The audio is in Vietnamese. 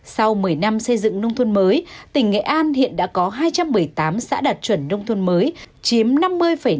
sau một mươi năm xây dựng nông thôn mới tỉnh nghệ an hiện đã có hai trăm một mươi tám xã đạt chuẩn nông thôn mới chiếm năm mươi năm